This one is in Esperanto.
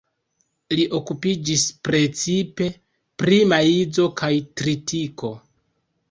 Li okupiĝis precipe pri maizo kaj tritiko.